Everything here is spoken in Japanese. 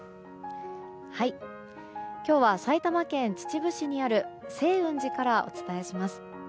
今日は埼玉県秩父市にある清雲寺からお伝えします。